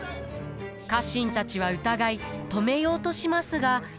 家臣たちは疑い止めようとしますが。